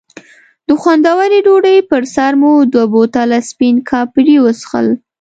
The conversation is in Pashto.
د خوندورې ډوډۍ پر سر مو دوه بوتله سپین کاپري وڅښل.